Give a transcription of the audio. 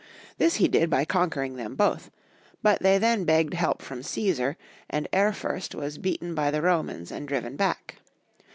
This he did by conquering them both ; but they then begged help from Caesar, and Elirfurst was beaten by the Romans and diiven back.